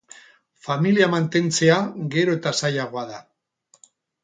Familia mantentzea gero eta zailagoa da